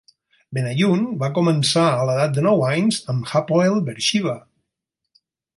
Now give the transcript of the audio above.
Benayoun va començar a l'edat de nou anys amb Hapoel Be'er Sheva.